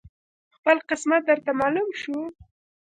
خپل قسمت درته معلوم شو